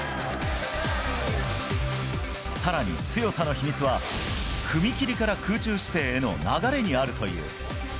さらに、強さの秘密は、踏み切りから空中姿勢への流れにあるという。